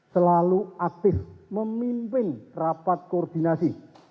selalu aktif memimpin rapat koordinasi